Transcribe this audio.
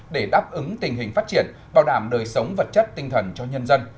để đáp ứng tình hình phát triển bảo đảm đời sống vật chất tinh thần cho nhân dân